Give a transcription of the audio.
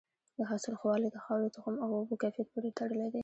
د حاصل ښه والی د خاورې، تخم او اوبو کیفیت پورې تړلی دی.